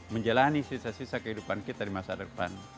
menjalani sisa sisa kehidupan kita di masa depan